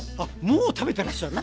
もう食べてらっしゃる？